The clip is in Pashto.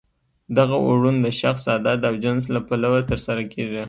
دغه اوړون د شخص، عدد او جنس له پلوه ترسره کیږي.